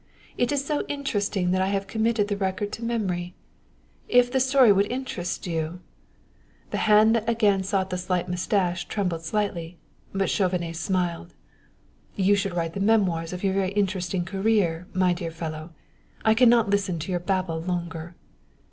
It is so interesting that I have committed the record to memory. If the story would interest you " The hand that again sought the slight mustache trembled slightly; but Chauvenet smiled. "You should write the memoirs of your very interesting career, my dear fellow. I can not listen to your babble longer."